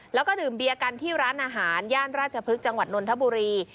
แล้วก็ดื่มเบียร์กันที่ร้านอาหารย่านราชพฤกษ์จังหวัดนนทบุรี